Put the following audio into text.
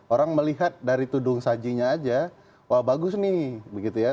orang melihat dari tudung sajinya aja wah bagus nih begitu ya